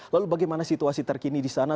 lalu bagaimana situasi terkini di sana